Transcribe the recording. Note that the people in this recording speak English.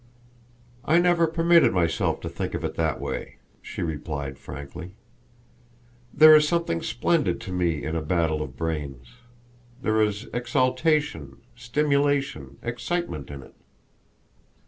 "I never permitted myself to think of it that way," she replied frankly. "There is something splendid to me in a battle of brains; there is exaltation, stimulation, excitement in it.